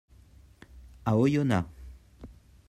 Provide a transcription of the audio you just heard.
À Oyonnax.